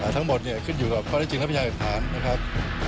ทั้งหมดขึ้นอยู่กับ